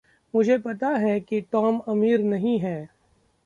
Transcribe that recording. मुझे पता है कि टॉम अमीर नहीं है।